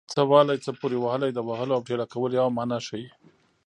څه وهلی څه پورې وهلی د وهلو او ټېله کولو یوه مانا ښيي